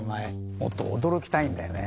もっと驚きたいんだよね。